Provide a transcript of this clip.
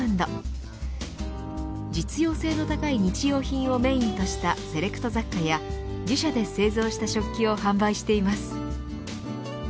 実用性の高い日用品をメーンとしたセレクト雑貨や自社で製造した食器を販売しています。